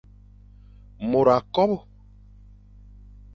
Môr a kobe.